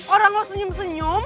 orang lo senyum senyum